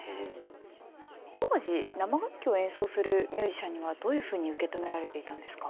当時生楽器を演奏するミュージシャンにはどういうふうに受け止められていたんですか？